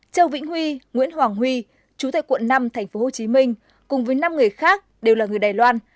châu vĩnh huy nguyễn hoàng huy chú tại quận năm tp hcm cùng với năm người khác đều là người đài loan